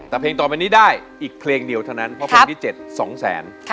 แต่เพลงต่อไปนี้ได้อีกเพลงเดียวเท่านั้นเพราะเพลงที่๗๒แสน